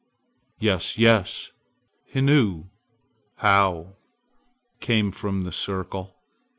"Yes! Yes! Hinnu! How!" came from the circle.